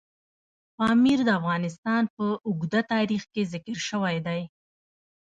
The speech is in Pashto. پامیر د افغانستان په اوږده تاریخ کې ذکر شوی دی.